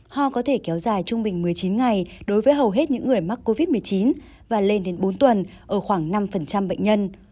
ho có thể kéo dài trung bình một mươi chín ngày đối với hầu hết những người mắc covid một mươi chín và lên đến bốn tuần ở khoảng năm bệnh nhân